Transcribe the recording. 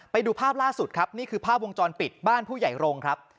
ไปดูภาพล่าสุดครับนี่คือภาพวงจรปิดบ้านผู้ใหญ่รงค์ครับ